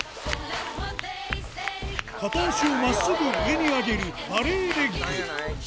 片足をまっすぐ上に上げるバレーレッグ。